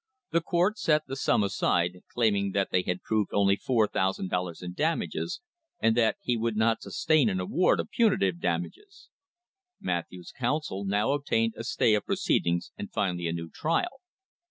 The court set the sum aside, claim ing that they had proved only $4,000 in damages and that he would not sustain an award of punitive damages. Matthews's counsel now obtained a stay of proceedings and finally a new trial.